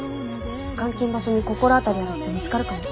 監禁場所に心当たりある人見つかるかも。